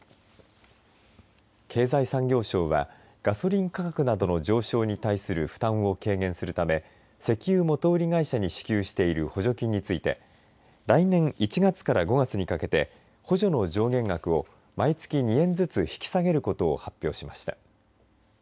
経済産業省はガソリン価格などの上昇に対する負担を軽減するため石油元売り会社に支給している補助金について来年１月から５月にかけて補助の上限額を毎月２円ずつ引き下げることを発表しました。